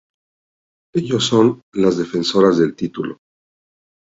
Ellos son las defensoras del título.